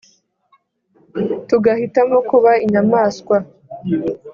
Tugahitamo kuba inyamaswa